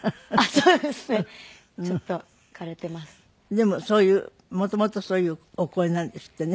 でもそういう元々そういうお声なんですってね。